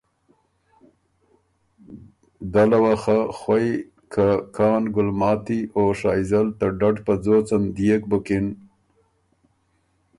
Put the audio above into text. دله وه خه خوئ که کان ګلماتي او شائزل ته ډډ په ځوڅن دئېک بُکِن